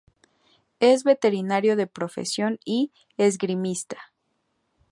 Es veterinario de profesión y esgrimista.